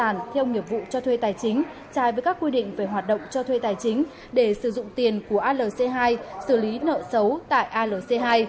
hảo đã đưa ra chủ trương bàn bạc cho thuê tài chính trái với các quy định về hoạt động cho thuê tài chính để sử dụng tiền của alc hai xử lý nợ xấu tại alc hai